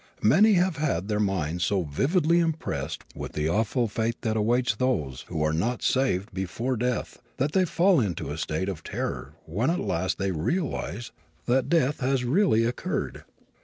Many have had their minds so vividly impressed with the awful fate that awaits those who are not "saved" before death that they fall into a state of terror when at last they realize that death has really occurred.